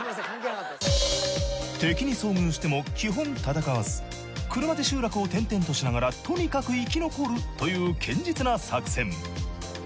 敵に遭遇しても基本戦わず車で集落を転々としながらとにかく生き残るという堅実な作戦。